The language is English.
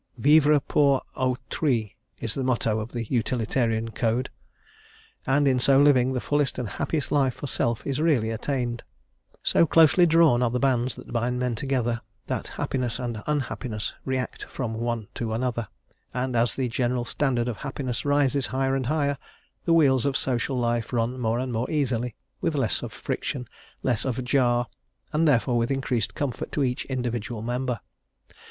"Vivre pour au trui," is the motto of the utilitarian code; and in so living the fullest and happiest life for self is really attained; so closely drawn are the bands that bind men together that happiness and unhappiness re act from one to another, and as the general standard of happiness rises higher and higher, the wheels of social life run more and more easily, with less of friction, less of jar, and therefore with increased comfort to each individual member.